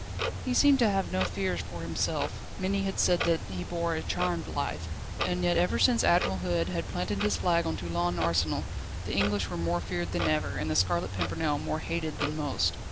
He seemed to have no fears for himself; many had said that he bore a charmed life; and yet ever since Admiral Hood had planted his flag on Toulon Arsenal, the English were more feared than ever, and The Scarlet Pimpernel more hated than most.